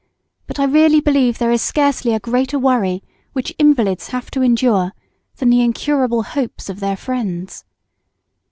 But I really believe there is scarcely a greater worry which invalids have to endure than the incurable hopes of their friends.